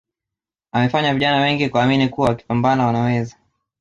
amefanya vijana wengi kuamini kuwa wakipambana Wanaweza